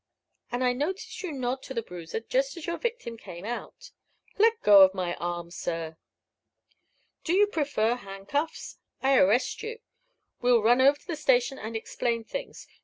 And I noticed you nod to the bruiser, just as your victim came out." "Let go of my arm, sir!" "Do you prefer handcuffs? I arrest you. We'll run over to the station and explain things."